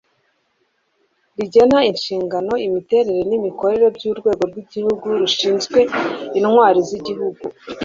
rigena inshingano imiterere n'imikorere by'urwego rw'igihugu rushinzwe intwari z'igihugu